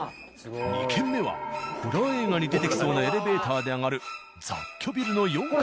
２軒目はホラー映画に出てきそうなエレベーターで上がる雑居ビルの４階。